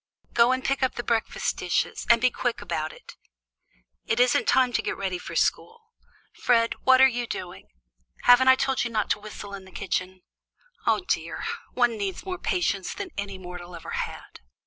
Go and pick up the breakfast dishes, and be quick about it. It isn't time to get ready for school. Fred, what are you doing? Haven't I told you not to whistle in the kitchen? Oh, dear! one needs more patience than any mortal ever had!"